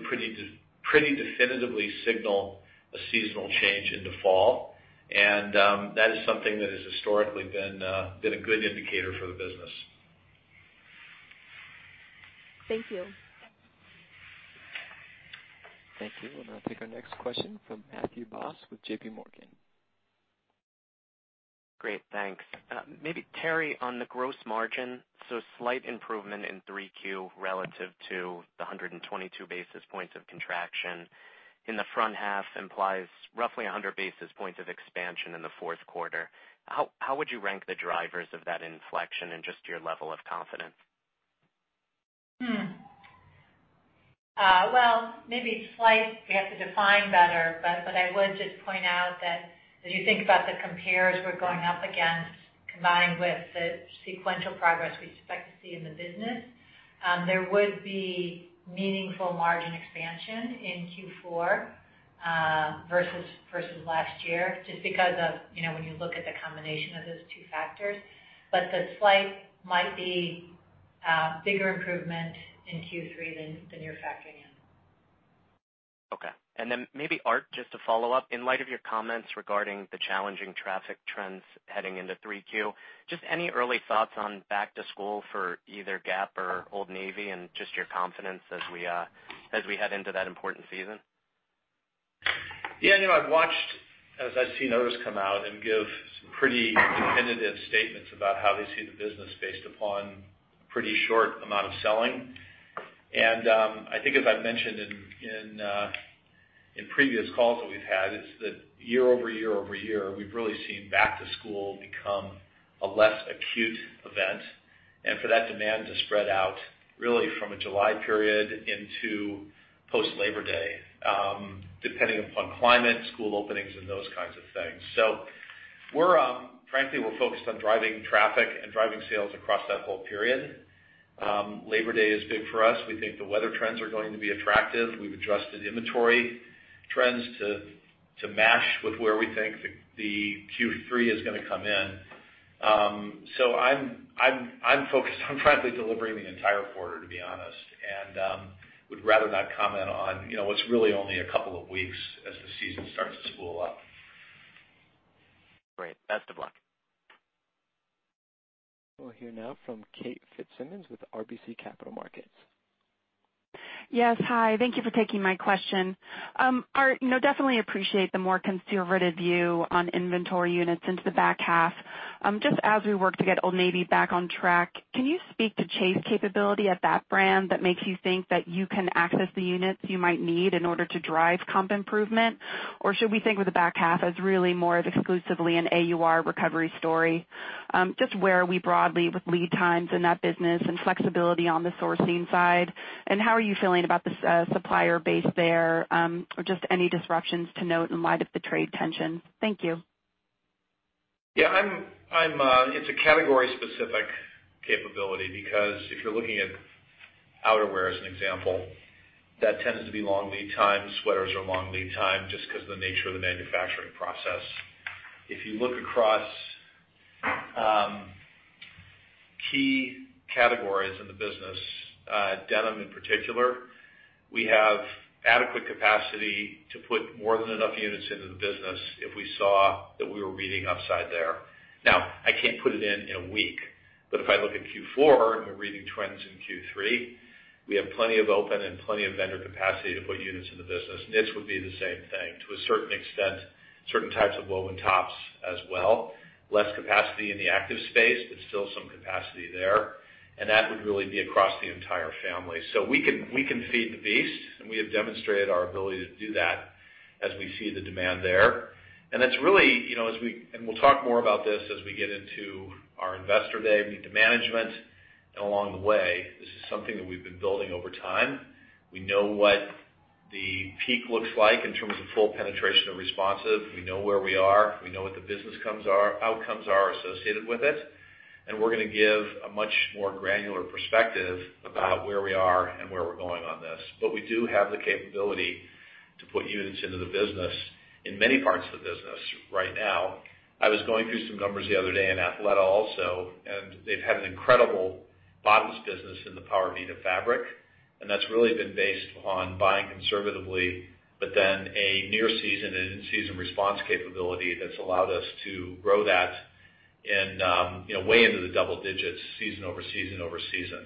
definitively signal a seasonal change in the fall. That is something that has historically been a good indicator for the business. Thank you. Thank you. We'll now take our next question from Matthew Boss with JPMorgan. Great, thanks. Maybe Teri, on the gross margin. Slight improvement in 3Q relative to the 122 basis points of contraction in the front half implies roughly 100 basis points of expansion in the fourth quarter. How would you rank the drivers of that inflection and just your level of confidence? Well, maybe slight, we have to define better, but I would just point out that as you think about the compares we're going up against, combined with the sequential progress we expect to see in the business, there would be meaningful margin expansion in Q4 versus last year just because of when you look at the combination of those two factors. The slight might be a bigger improvement in Q3 than you're factoring in. Okay. Maybe, Art, just to follow up, in light of your comments regarding the challenging traffic trends heading into 3Q, just any early thoughts on back to school for either Gap or Old Navy and just your confidence as we head into that important season? Yeah, I've watched as I've seen others come out and give some pretty definitive statements about how they see the business based upon a pretty short amount of selling. I think as I've mentioned in previous calls that we've had, it's that year-over-year over year, we've really seen back to school become a less acute event and for that demand to spread out really from a July period into post Labor Day, depending upon climate, school openings, and those kinds of things. Frankly, we're focused on driving traffic and driving sales across that whole period. Labor Day is big for us. We think the weather trends are going to be attractive. We've adjusted inventory trends to match with where we think the Q3 is gonna come in. I'm focused on frankly delivering the entire quarter, to be honest, and would rather not comment on what's really only a couple of weeks as the season starts to spool up. Great. Best of luck. We'll hear now from Kate Fitzsimons with RBC Capital Markets. Yes. Hi, thank you for taking my question. Art, definitely appreciate the more conservative view on inventory units into the back half. Just as we work to get Old Navy back on track, can you speak to chase capability at that brand that makes you think that you can access the units you might need in order to drive comp improvement? Or should we think of the back half as really more of exclusively an AUR recovery story? Just where are we broadly with lead times in that business and flexibility on the sourcing side, and how are you feeling about the supplier base there? Or just any disruptions to note in light of the trade tension? Thank you. Yeah, it's a category specific capability because if you're looking at outerwear as an example, that tends to be long lead time. Sweaters are long lead time just because of the nature of the manufacturing process. If you look across key categories in the business, denim in particular, we have adequate capacity to put more than enough units into the business if we saw that we were reading upside there. Now, I can't put it in in a week. If I look at Q4 and the reading trends in Q3, we have plenty of open and plenty of vendor capacity to put units in the business. Knits would be the same thing. To a certain extent, certain types of woven tops as well. Less capacity in the active space, but still some capacity there, and that would really be across the entire family. We can feed the beast, and we have demonstrated our ability to do that as we see the demand there. We'll talk more about this as we get into our investor day, meet the management, and along the way, this is something that we've been building over time. We know what the peak looks like in terms of full penetration of responsive. We know where we are. We know what the business outcomes are associated with it, and we're going to give a much more granular perspective about where we are and where we're going on this. We do have the capability to put units into the business in many parts of the business right now. I was going through some numbers the other day in Athleta also. They've had an incredible bottoms business in the power of Powervita fabric. That's really been based upon buying conservatively, but then a near season and in-season response capability that's allowed us to grow that way into the double digits season over season over season.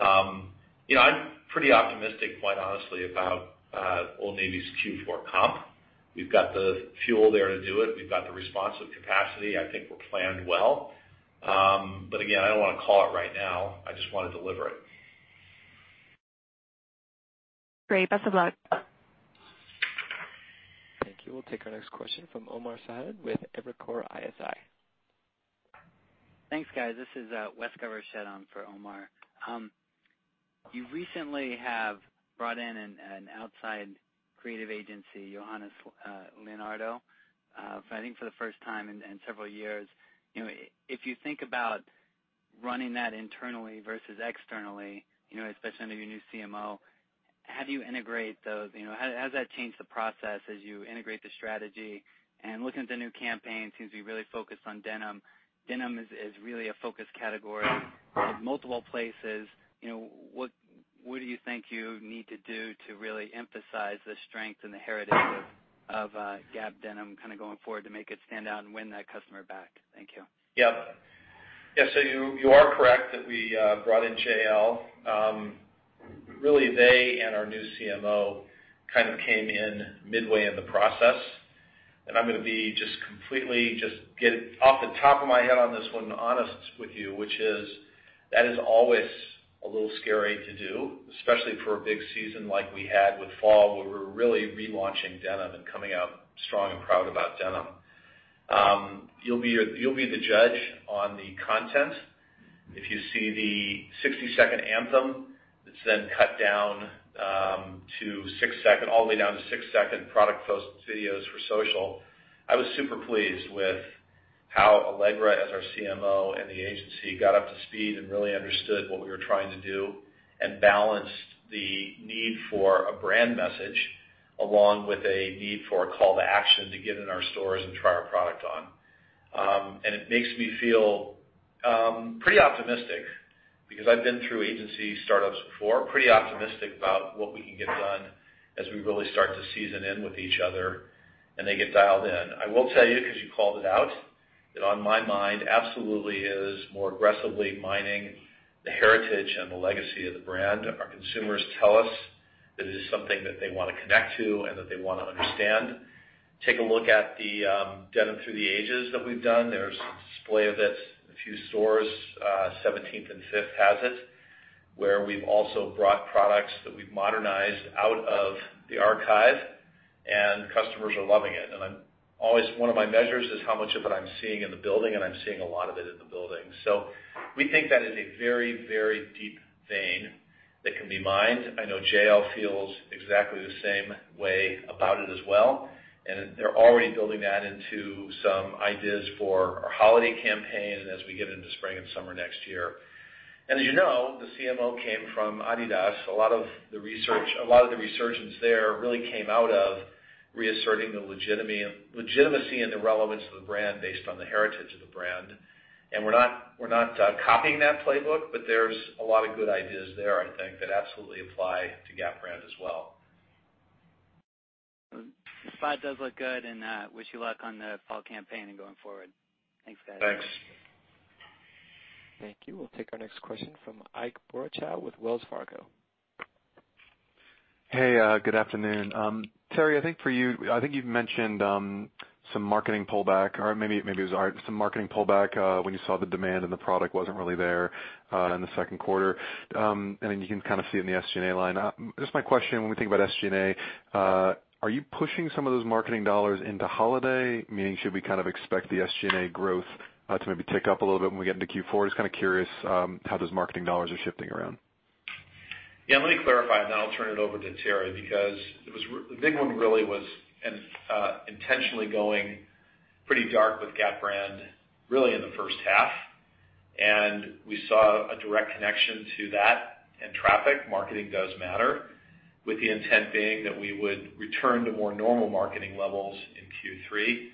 I'm pretty optimistic, quite honestly, about Old Navy's Q4 comp. We've got the fuel there to do it. We've got the responsive capacity. I think we're planned well. Again, I don't want to call it right now. I just want to deliver it. Great. Best of luck. Thank you. We'll take our next question from Omar Saad with Evercore ISI. Thanks, guys. This is Wes Covershed on for Omar. You recently have brought in an outside creative agency, Johannes Leonardo. I think for the first time in several years. If you think about running that internally versus externally, especially under your new CMO, how do you integrate those? How does that change the process as you integrate the strategy? Looking at the new campaign, it seems to be really focused on denim. Denim is really a focus category with multiple places. What do you think you need to do to really emphasize the strength and the heritage of Gap Denim going forward to make it stand out and win that customer back? Thank you. Yeah. You are correct that we brought in J.L. Really, they and our new CMO came in midway in the process. I'm going to be completely, get off the top of my head on this one, honest with you, which is that is always a little scary to do, especially for a big season like we had with fall, where we're really relaunching denim and coming out strong and proud about denim. You'll be the judge on the content. If you see the 60-second anthem that's then cut down all the way down to six-second product post videos for social. I was super pleased with how Alegra, as our CMO and the agency, got up to speed and really understood what we were trying to do and balanced the need for a brand message along with a need for a call to action to get in our stores and try our product on. It makes me feel pretty optimistic because I've been through agency startups before, pretty optimistic about what we can get done as we really start to season in with each other and they get dialed in. I will tell you, because you called it out, that on my mind, absolutely is more aggressively mining the heritage and the legacy of the brand. Our consumers tell us that it is something that they want to connect to and that they want to understand. Take a look at the Denim Through the Ages that we've done. There's a display of it in a few stores. 17th and 5th has it, where we've also brought products that we've modernized out of the archive. Customers are loving it. Always one of my measures is how much of it I'm seeing in the building, and I'm seeing a lot of it in the building. We think that is a very, very deep vein that can be mined. I know JL feels exactly the same way about it as well. They're already building that into some ideas for our holiday campaign, and as we get into spring and summer next year. As you know, the CMO came from adidas. A lot of the resurgence there really came out of reasserting the legitimacy and the relevance of the brand based on the heritage of the brand. We're not copying that playbook, but there's a lot of good ideas there, I think, that absolutely apply to Gap brand as well. The spot does look good, and wish you luck on the fall campaign and going forward. Thanks, guys. Thanks. Thank you. We'll take our next question from Ike Boruchow with Wells Fargo. Hey, good afternoon. Teri, I think you've mentioned some marketing pullback when you saw the demand and the product wasn't really there in the second quarter. You can kind of see it in the SG&A line. My question, when we think about SG&A, are you pushing some of those marketing dollars into holiday? Meaning, should we kind of expect the SG&A growth to maybe tick up a little bit when we get into Q4? Kind of curious how those marketing dollars are shifting around. Yeah, let me clarify, and then I'll turn it over to Teri, because the big one really was intentionally going pretty dark with Gap brand, really in the first half. We saw a direct connection to that and traffic. Marketing does matter, with the intent being that we would return to more normal marketing levels in Q3.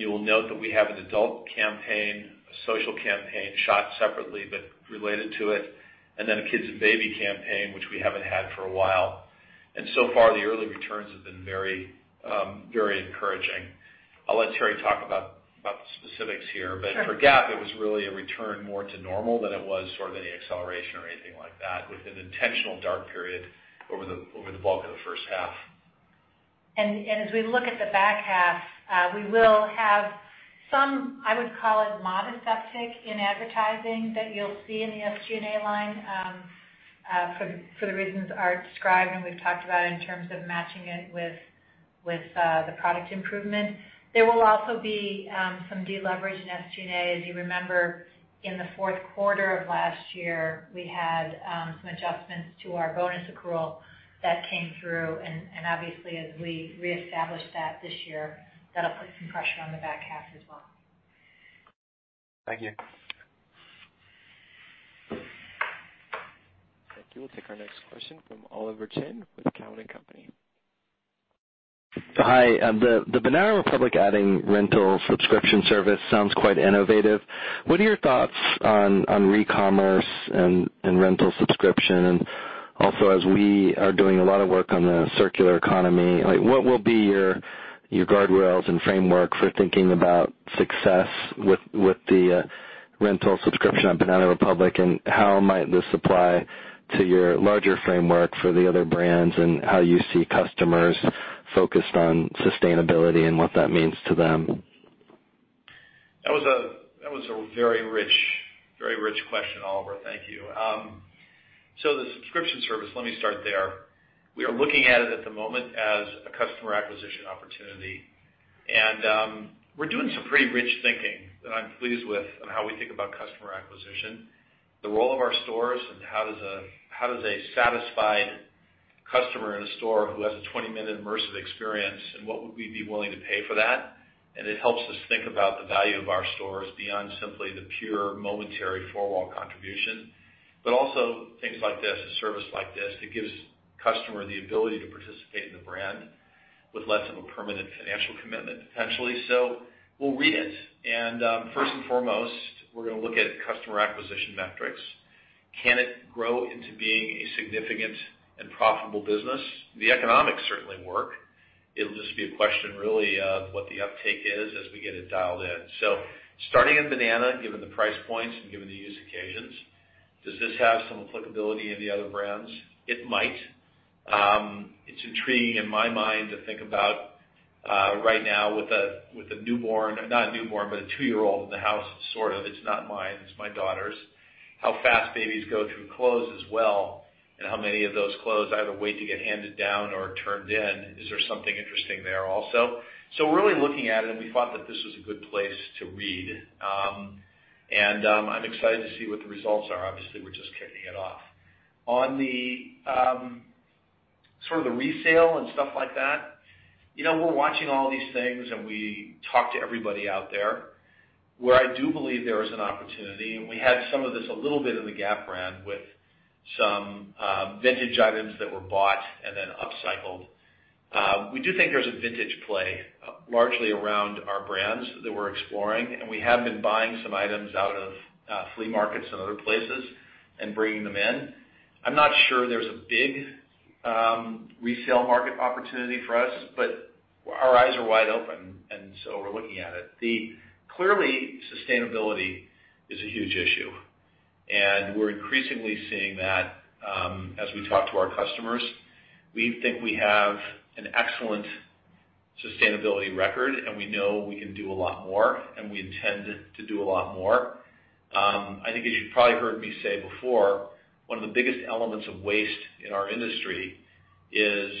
You will note that we have an adult campaign, a social campaign, shot separately but related to it, and then a kids and baby campaign, which we haven't had for a while. So far, the early returns have been very encouraging. I'll let Teri talk about the specifics here. Sure. For Gap, it was really a return more to normal than it was sort of any acceleration or anything like that, with an intentional dark period over the bulk of the first half. As we look at the back half, we will have some, I would call it modest uptick in advertising that you'll see in the SG&A line. For the reasons Art described, and we've talked about in terms of matching it with the product improvement. There will also be some de-leverage in SG&A. As you remember, in the fourth quarter of last year, we had some adjustments to our bonus accrual that came through, and obviously, as we reestablish that this year, that'll put some pressure on the back half as well. Thank you. Thank you. We'll take our next question from Oliver Chen with Cowen and Company. Hi. The Banana Republic adding rental subscription service sounds quite innovative. What are your thoughts on e-commerce and rental subscription? Also, as we are doing a lot of work on the circular economy, what will be your guardrails and framework for thinking about success with the rental subscription on Banana Republic, and how might this apply to your larger framework for the other brands, and how you see customers focused on sustainability and what that means to them? That was a very rich question, Oliver. Thank you. The subscription service, let me start there. We are looking at it at the moment as a customer acquisition opportunity. We're doing some pretty rich thinking that I'm pleased with on how we think about customer acquisition, the role of our stores, and how does a satisfied customer in a store who has a 20-minute immersive experience, and what would we be willing to pay for that. It helps us think about the value of our stores beyond simply the pure momentary four-wall contribution. Also things like this, a service like this, that gives customer the ability to participate in the brand with less of a permanent financial commitment, potentially. We'll read it, and first and foremost, we're going to look at customer acquisition metrics. Can it grow into being a significant and profitable business? The economics certainly work. It'll just be a question really of what the uptake is as we get it dialed in. Starting at Banana, given the price points and given the use occasions, does this have some applicability in the other brands? It might. It's intriguing in my mind to think about right now with a newborn, not a newborn, but a two-year-old in the house, sort of. It's not mine, it's my daughter's. How fast babies go through clothes as well, and how many of those clothes either wait to get handed down or are turned in. Is there something interesting there also? We're really looking at it, and we thought that this was a good place to read. I'm excited to see what the results are. Obviously, we're just kicking it off. On the sort of the resale and stuff like that, we're watching all these things. We talk to everybody out there. Where I do believe there is an opportunity. We had some of this a little bit in the Gap brand with some vintage items that were bought and then upcycled. We do think there's a vintage play largely around our brands that we're exploring. We have been buying some items out of flea markets and other places and bringing them in. I'm not sure there's a big resale market opportunity for us. Our eyes are wide open. We're looking at it. Clearly, sustainability is a huge issue. We're increasingly seeing that as we talk to our customers. We think we have an excellent sustainability record. We know we can do a lot more. We intend to do a lot more. I think as you've probably heard me say before, one of the biggest elements of waste in our industry is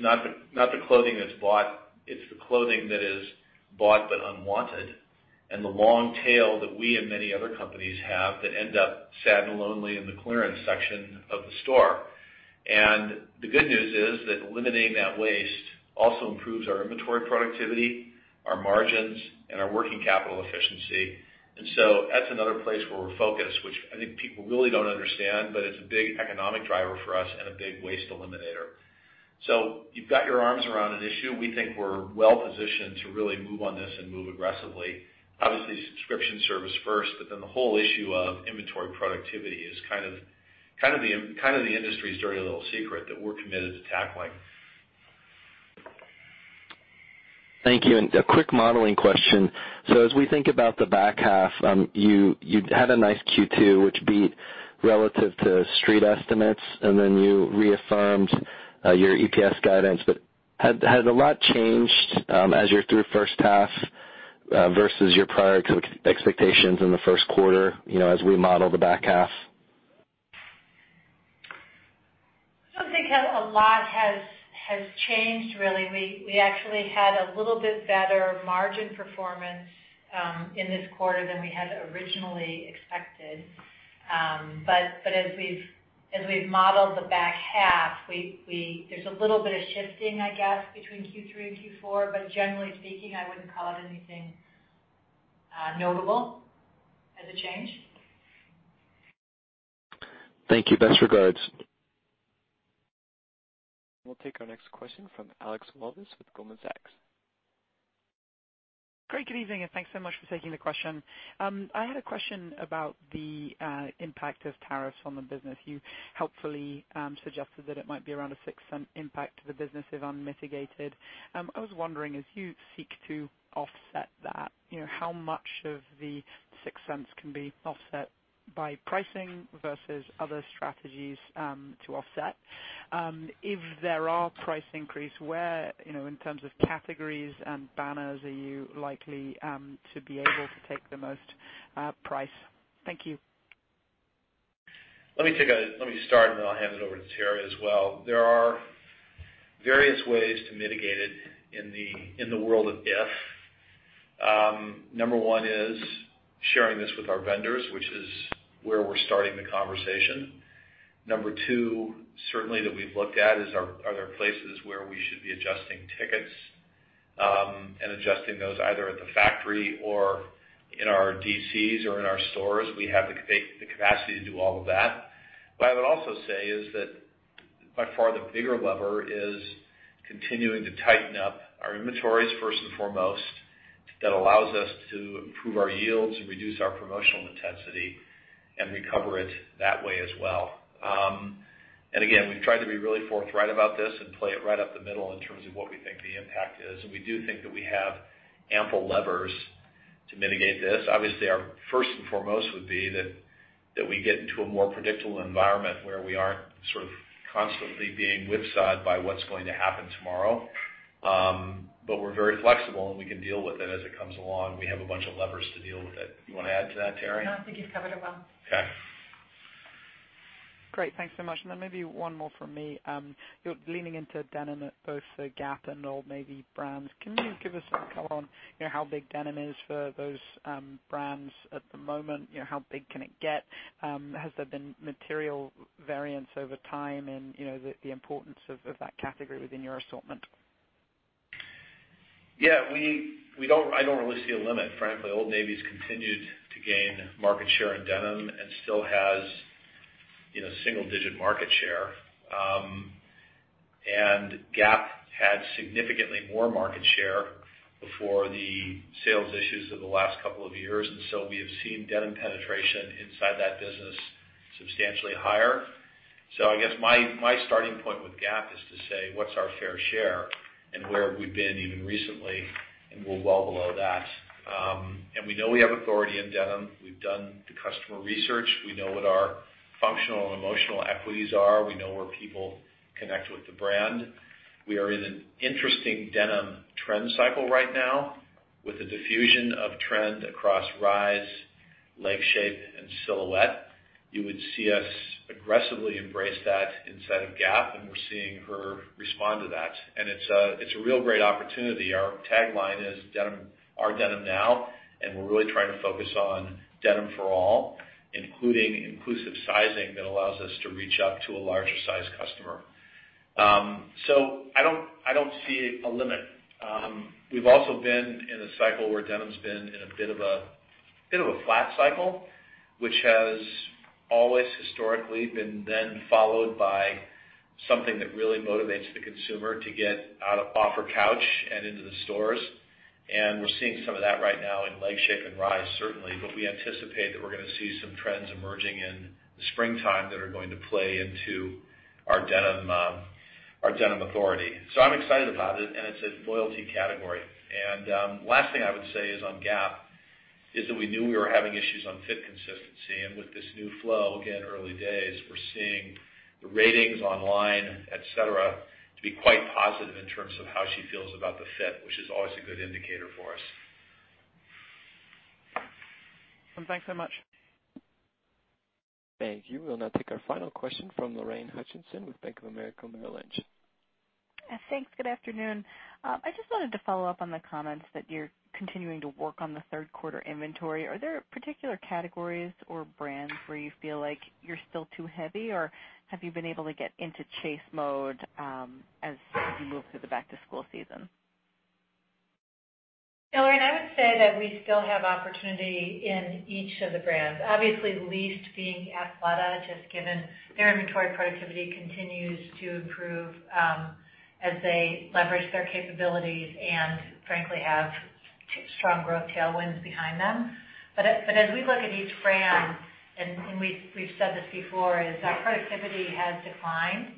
not the clothing that's bought, it's the clothing that is bought but unwanted, and the long tail that we and many other companies have that end up sad and lonely in the clearance section of the store. The good news is that eliminating that waste also improves our inventory productivity, our margins, and our working capital efficiency. That's another place where we're focused, which I think people really don't understand, but it's a big economic driver for us and a big waste eliminator. You've got your arms around an issue. We think we're well positioned to really move on this and move aggressively. Obviously, subscription service first, but then the whole issue of inventory productivity is kind of the industry's dirty little secret that we're committed to tackling. Thank you. A quick modeling question. As we think about the back half, you had a nice Q2, which beat relative to street estimates, and then you reaffirmed your EPS guidance. Has a lot changed as you're through first half versus your prior expectations in the first quarter, as we model the back half? I don't think a lot has changed, really. We actually had a little bit better margin performance in this quarter than we had originally expected. As we've modeled the back half, there's a little bit of shifting, I guess, between Q3 and Q4, but generally speaking, I wouldn't call it anything notable as a change. Thank you. Best regards. We'll take our next question from Alexandra Walvis with Goldman Sachs. Great. Good evening, thanks so much for taking the question. I had a question about the impact of tariffs on the business. You helpfully suggested that it might be around a $0.06 impact to the business if unmitigated. I was wondering, as you seek to offset that, how much of the $0.06 can be offset by pricing versus other strategies to offset? If there are price increase, where, in terms of categories and banners, are you likely to be able to take the most price? Thank you. Let me start, and then I'll hand it over to Teri as well. There are various ways to mitigate it in the world of if. Number one is sharing this with our vendors, which is where we're starting the conversation. Number two, certainly that we've looked at, is are there places where we should be adjusting tickets and adjusting those either at the factory or in our DCs or in our stores. We have the capacity to do all of that. What I would also say is that by far the bigger lever is continuing to tighten up our inventories, first and foremost. That allows us to improve our yields and reduce our promotional intensity and recover it that way as well. Again, we've tried to be really forthright about this and play it right up the middle in terms of what we think the impact is, and we do think that we have ample levers to mitigate this. Obviously, our first and foremost would be that we get into a more predictable environment where we aren't sort of constantly being whipsawed by what's going to happen tomorrow. We're very flexible, and we can deal with it as it comes along. We have a bunch of levers to deal with it. You want to add to that, Teri? No, I think you've covered it well. Okay. Great. Thanks so much. Maybe one more from me. You're leaning into denim at both the Gap and Old Navy brands. Can you give us some color on how big denim is for those brands at the moment? How big can it get? Has there been material variance over time and the importance of that category within your assortment? Yeah. I don't really see a limit, frankly. Old Navy's continued to gain market share in denim and still has single-digit market share. Gap had significantly more market share before the sales issues of the last couple of years, and so we have seen denim penetration inside that business substantially higher. I guess my starting point with Gap is to say, what's our fair share and where we've been even recently, and we're well below that. We know we have authority in denim. We've done the customer research. We know what our functional and emotional equities are. We know where people connect with the brand. We are in an interesting denim trend cycle right now with a diffusion of trend across rise, leg shape, and silhouette. You would see us aggressively embrace that inside of Gap, and we're seeing her respond to that, and it's a real great opportunity. Our tagline is Our Denim Now, and we're really trying to focus on denim for all, including inclusive sizing that allows us to reach out to a larger size customer. I don't see a limit. We've also been in a cycle where denim's been in a bit of a flat cycle, which has always historically been then followed by something that really motivates the consumer to get off her couch and into the stores, and we're seeing some of that right now in leg shape and rise, certainly, but we anticipate that we're gonna see some trends emerging in the springtime that are going to play into our denim authority. I'm excited about it, and it's a loyalty category. Last thing I would say is on Gap, is that we knew we were having issues on fit consistency, and with this new flow, again, early days, we're seeing the ratings online, et cetera, to be quite positive in terms of how she feels about the fit, which is always a good indicator for us. Thanks so much. Thank you. We'll now take our final question from Lorraine Hutchinson with Bank of America Merrill Lynch. Thanks. Good afternoon. I just wanted to follow up on the comments that you're continuing to work on the third quarter inventory. Are there particular categories or brands where you feel like you're still too heavy, or have you been able to get into chase mode as you move through the back-to-school season? Lorraine, I would say that we still have opportunity in each of the brands, obviously least being Athleta, just given their inventory productivity continues to improve as they leverage their capabilities and frankly have strong growth tailwinds behind them. As we look at each brand, and we've said this before, is that productivity has declined.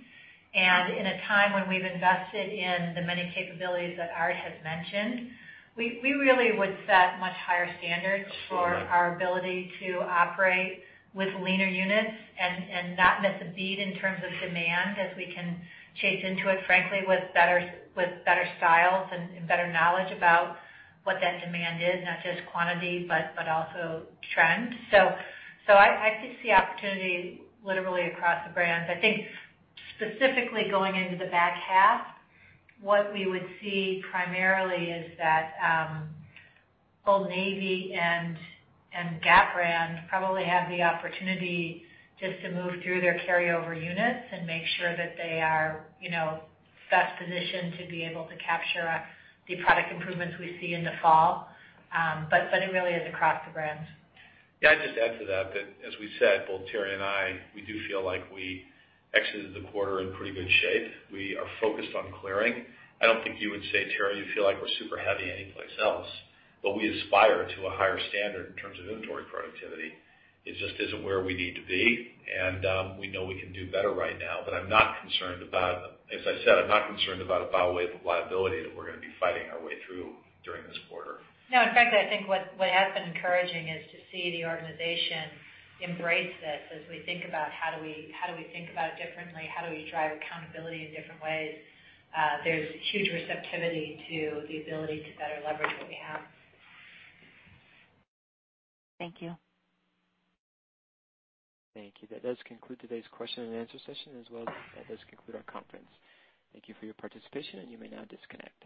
In a time when we've invested in the many capabilities that Art has mentioned, we really would set much higher standards for our ability to operate with leaner units and not miss a beat in terms of demand as we can chase into it, frankly, with better styles and better knowledge about what that demand is, not just quantity, but also trend. I just see opportunity literally across the brands. I think specifically going into the back half, what we would see primarily is that Old Navy and Gap brand probably have the opportunity just to move through their carryover units and make sure that they are best positioned to be able to capture the product improvements we see in the fall. It really is across the brands. Yeah, I'd just add to that as we said, both Teri and I, we do feel like we exited the quarter in pretty good shape. We are focused on clearing. I don't think you would say, Teri, you feel like we're super heavy anyplace else, but we aspire to a higher standard in terms of inventory productivity. It just isn't where we need to be, and we know we can do better right now, but I'm not concerned about, as I said, I'm not concerned about a bow wave of liability that we're gonna be fighting our way through during this quarter. No, in fact, I think what has been encouraging is to see the organization embrace this as we think about how do we think about it differently, how do we drive accountability in different ways. There's huge receptivity to the ability to better leverage what we have. Thank you. Thank you. That does conclude today's question and answer session as well as that does conclude our conference. Thank you for your participation, and you may now disconnect.